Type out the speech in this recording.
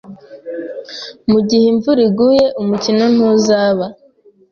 Mugihe imvura iguye, umukino ntuzaba.